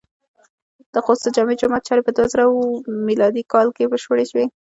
د خوست د جامع جماعت چارې په دوهزرم م کال کې بشپړې شوې.